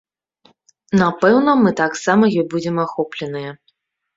Напэўна, мы таксама ёй будзем ахопленыя.